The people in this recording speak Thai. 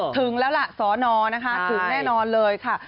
ถึงแล้วล่ะสอนอนะคะถึงแน่นอนเลยค่ะ